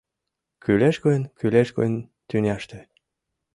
Кӱлеш гын, кӱлеш гын, тӱняште